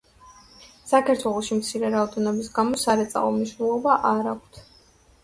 საქართველოში მცირე რაოდენობის გამო სარეწაო მნიშვნელობა არ აქვთ.